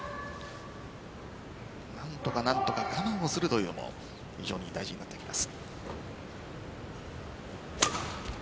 何とか我慢をするというのも非常に大事になってきます。